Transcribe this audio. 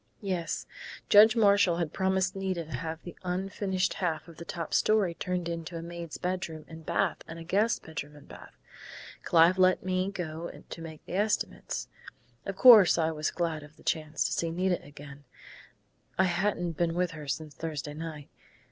"Yes. Judge Marshall had promised Nita to have the unfinished half of the top story turned into a maid's bedroom and bath and a guest bedroom and bath. Clive let me go to make the estimates. Of course I was glad of the chance to see Nita again I hadn't been with her since Thursday night.